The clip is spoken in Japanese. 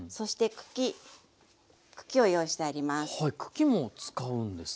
茎を用意してあります。